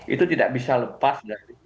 itu tidak bisa lepas dari